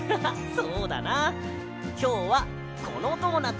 そうだな。